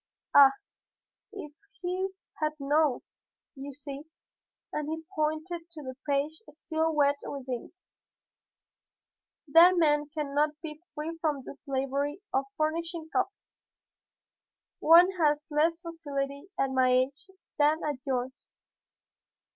Ah! if he had known! "You see," and he pointed to the page still wet with ink, "that man cannot be free from the slavery of furnishing copy. One has less facility at my age than at yours.